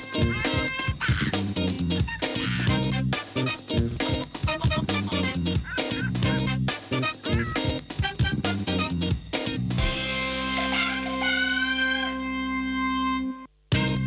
ครับผมวันนี้มีคุณจองขวานรออยู่นะโอเคครับสวัสดีค่ะสวัสดีค่ะ